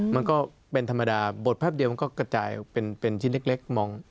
มันก็เป็นธรรมดาบทแป๊บเดียวมันก็กระจายเป็นชิ้นเล็กมอง